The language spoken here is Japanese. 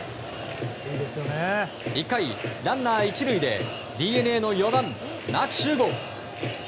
１回、ランナー１塁でＤｅＮＡの４番、牧秀悟。